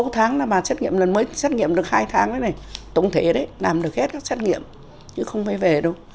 sáu tháng là bà xét nghiệm lần mới xét nghiệm được hai tháng đấy này tổng thể đấy làm được hết các xét nghiệm chứ không phải về đâu